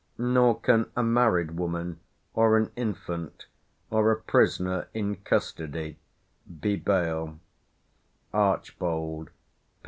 Nor can a married woman, or an infant, or a prisoner in custody, be bail" (Archbold, p.